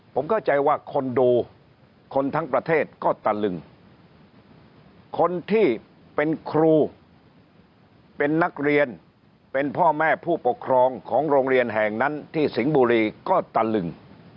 ผมเข้าใจว่าคนดูคนทั้งประเทศก็ตะลึงคนที่เป็นครูเป็นนักเรียนเป็นพ่อแม่ผู้ปกครองของโรงเรียนแห่งนั้นที่สิงห์บุรีก็ตะลึง